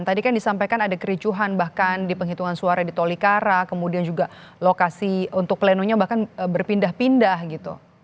tadi kan disampaikan ada kericuhan bahkan di penghitungan suara di tolikara kemudian juga lokasi untuk plenonya bahkan berpindah pindah gitu